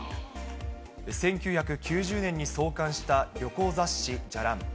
１９９０年に創刊した旅行雑誌、じゃらん。